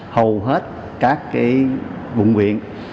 hầu hết các cái vùng viện